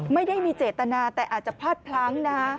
ไม่ได้มีเจตนาแต่อาจจะพลาดพลั้งนะฮะ